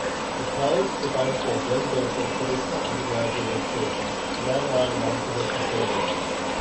The college provides both residential, traditional undergraduate education and online, non-traditional programs.